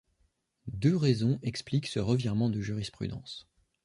Deux raisons expliquent ce revirement de jurisprudence.